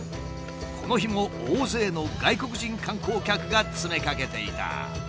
この日も大勢の外国人観光客が詰めかけていた。